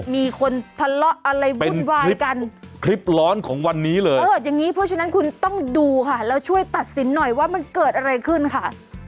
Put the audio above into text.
มีคนทะเลาะอะไรวุ่นวายกันคลิปร้อนของวันนี้เลยเอออย่างนี้เพราะฉะนั้นคุณต้องดูค่ะแล้วช่วยตัดสินหน่อยว่ามันเกิดอะไรขึ้นค่ะ